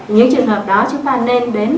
những trường hợp đó chúng ta nên đến